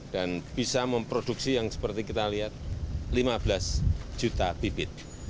dan bisa memproduksi yang seperti kita lihat lima belas juta bibit